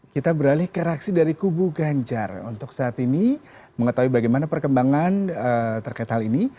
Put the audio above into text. kita beralih ke reaksi dari kubu ganjar untuk saat ini mengetahui bagaimana perkembangan terkait hal ini